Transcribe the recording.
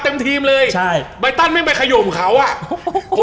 เต็มทีมเลยใช่บรายตันแม่งไปไขย่มเขาอ่ะอ่า